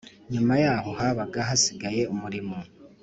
Nyuma yaho habaga hasigaye umurimo